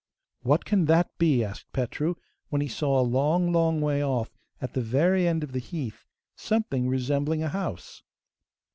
'What can that be?' asked Petru, when he saw a long, long way off, at the very end of the heath, something resembling a house.